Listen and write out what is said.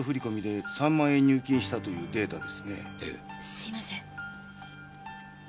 すいません。